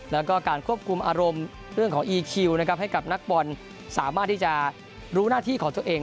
แล้วก็การควบคุมอารมณ์เรื่องของอีคิวนะครับให้กับนักบอลสามารถที่จะรู้หน้าที่ของตัวเอง